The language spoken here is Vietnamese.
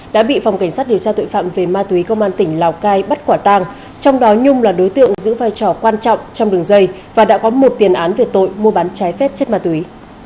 đã bị phòng cảnh sát điều tra tội phạm về ma túy công an tỉnh lào cai bắt quả tàng trong đó nhung là đối tượng giữ vai trò quan trọng trong đường dây và đã có một tiền án về tội mua bán trái phép chất ma túy